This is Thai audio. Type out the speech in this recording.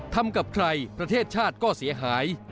ทำกับใครประเทศชาติก็เสียหาย